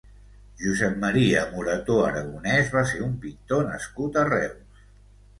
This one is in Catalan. Josep Maria Morató Aragonès va ser un pintor nascut a Reus.